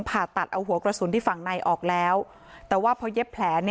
ผ่าตัดเอาหัวกระสุนที่ฝั่งในออกแล้วแต่ว่าพอเย็บแผล